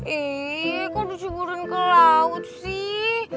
eee kok dicuburin ke laut sih